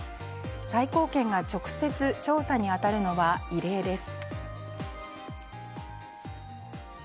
最高検が直接、調査に当たるのは異例です。